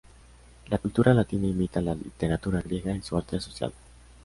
La cultura latina imita la literatura griega y su arte asociado.